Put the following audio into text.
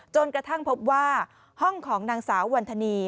จนกระทั่งพบว่าห้องของนางสาววันธนี